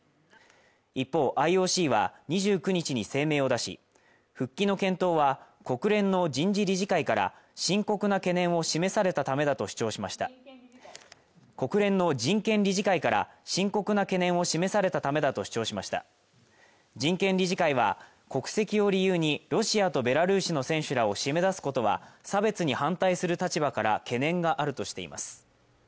一方ＩＯＣは２９日に声明を出し復帰の検討は国連の人事理事会から深刻な懸念を示されたためだと主張しました国連の人権理事会から深刻な懸念を示されたためだと主張しました人権理事会は国籍を理由にロシアとベラルーシの選手らを締め出すことは差別に反対する立場から懸念があるとしています